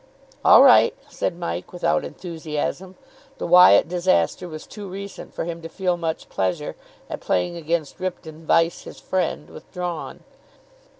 "All right," said Mike, without enthusiasm. The Wyatt disaster was too recent for him to feel much pleasure at playing against Ripton vice his friend, withdrawn.